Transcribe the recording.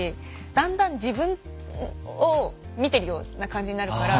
だんだん自分を見てるような感じになるから。